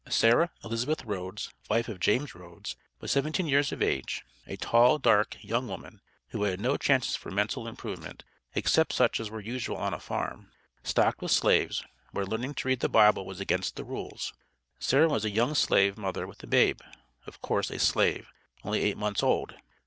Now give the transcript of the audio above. Sarah Elizabeth Rhoads, wife of James Rhoads, was seventeen years of age, a tall, dark, young woman, who had had no chances for mental improvement, except such as were usual on a farm, stocked with slaves, where learning to read the Bible was against the "rules." Sarah was a young slave mother with a babe (of course a slave) only eight months old.